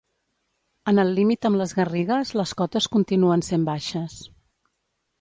En el límit amb les Garrigues les cotes continuen sent baixes.